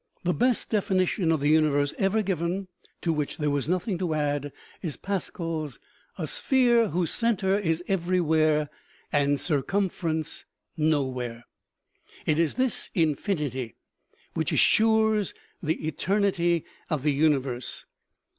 The best definition of the universe ever given, to which there was nothing to add, is Pascal's, " A sphere whose center is everywhere and circumference nowhere." It is this infinity which assures the eternity of the uni verse.